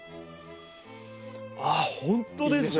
あほんとですね。